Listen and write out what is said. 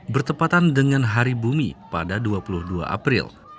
bertepatan dengan hari bumi pada dua puluh dua april